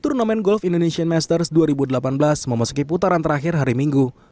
turnamen golf indonesian masters dua ribu delapan belas memasuki putaran terakhir hari minggu